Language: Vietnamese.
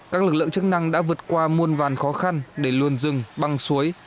các lực lượng chức năng đã vượt qua muôn vàn khó khăn để luồn rừng băng suối